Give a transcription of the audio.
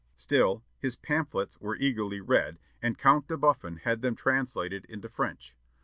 Still, his pamphlets were eagerly read, and Count de Buffon had them translated into French.